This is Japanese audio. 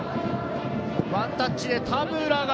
ワンタッチで田村が。